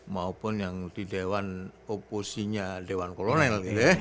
maupun yang di dewan oposinya dewan kolonel